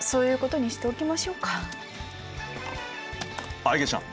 あっいげちゃん